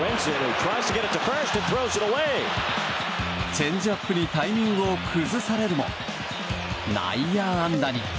チェンジアップにタイミングを崩されるも内野安打に。